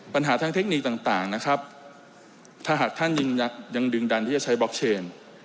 ปัญหาทางเทคนิคต่างนะครับถ้าหากท่านยังดึงดันที่จะใช้บล็อกเชน